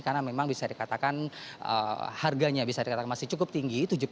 karena memang bisa dikatakan harganya bisa dikatakan masih cukup tinggi